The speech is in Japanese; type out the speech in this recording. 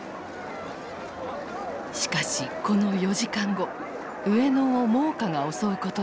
しかしこの４時間後上野を猛火が襲うことになる。